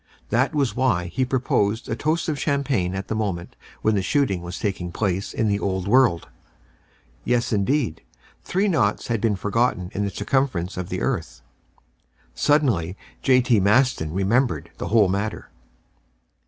That was why he proposed a toast in champagne at the moment when the shooting was taking place in the Old World. Yes, indeed, three naughts had been forgotten in the circumference of the earth. Suddenly J.T. Maston remembered the whole matter.